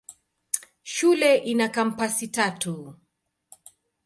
Shule ina kampasi tatu.